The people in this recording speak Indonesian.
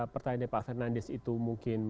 pertanyaan dari pak fernandes itu mungkin